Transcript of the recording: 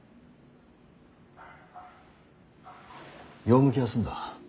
用向きは済んだ。